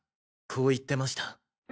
こう言ってました。